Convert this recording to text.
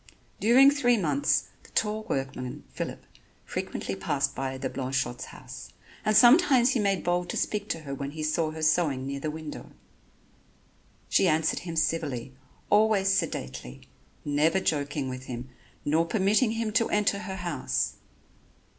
During three months, the tall workman, Phillip, frequently passed by the Blanchotte's house, and sometimes he made bold to speak to her when he saw her sewing near the window. She answered him civilly, always sedately, never joking with him, nor permitting him to enter her house.